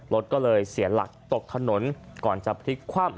รถก็เลยเสียหลักตกถนนก่อนจะพลิกคว่ำ